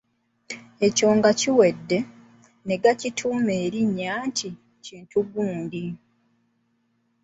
Ekyo nga kiwedde, ne gakituuma erinnya nti; kintu gundi.